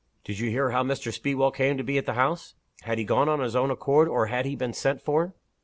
"Did you hear how Mr. Speedwell came to be at the house? Had he gone of his own accord? or had he been sent for?"